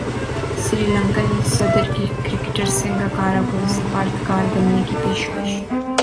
سری لنکن صدر کی کرکٹر سنگاکارا کو سفارتکار بننے کی پیشکش